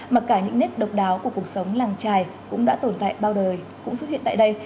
mà cả những nét độc đáo của cuộc sống làng trài cũng đã tồn tại bao đời cũng xuất hiện tại đây